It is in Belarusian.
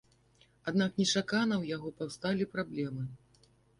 Аднак нечакана ў яго паўсталі праблемы.